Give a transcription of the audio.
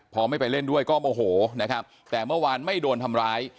พอไม่ไปเล่นด้วยก็โมโหนะครับแต่เมื่อวานไม่โดนทำร้าย